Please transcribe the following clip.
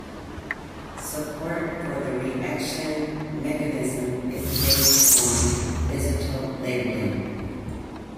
Support for the reaction mechanism is based on isotope labeling.